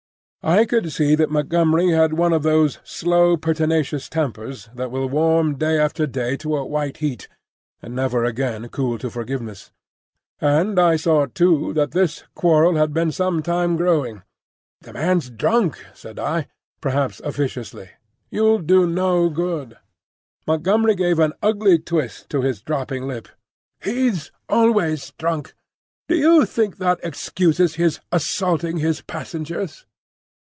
I could see that Montgomery had one of those slow, pertinacious tempers that will warm day after day to a white heat, and never again cool to forgiveness; and I saw too that this quarrel had been some time growing. "The man's drunk," said I, perhaps officiously; "you'll do no good." Montgomery gave an ugly twist to his dropping lip. "He's always drunk. Do you think that excuses his assaulting his passengers?"